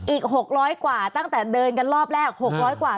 อีก๖๐๐กว่าตั้งแต่เดินกันรอบแรก๖๐๐กว่า